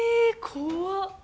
怖っ！